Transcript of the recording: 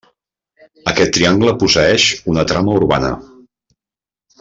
Aquest triangle posseeix una trama urbana.